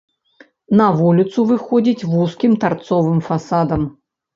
На вуліцу выходзіць вузкім тарцовым фасадам.